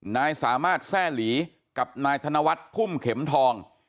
นายสามารถแทร่หลีกับนายธนวัฒน์พุ่มเข็มทอง